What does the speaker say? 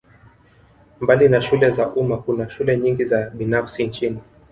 Mbali na shule za umma kuna shule nyingi za binafsi nchini